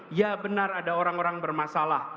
dia benar ada orang orang bermasalah